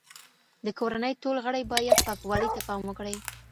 د کورنۍ ټول غړي باید پاکوالي ته پام وکړي.